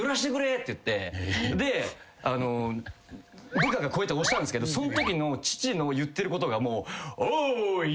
部下がこうやって押したんですけどそんときの父の言ってることが。